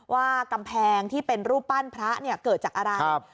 ว่ากำแพงที่เป็นรูปปั้นพระเกิดจากอะไร